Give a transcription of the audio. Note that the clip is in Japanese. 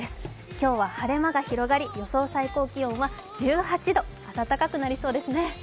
今日は晴れ間が広がり、予想最高気温は１８度暖かくなりそうですね。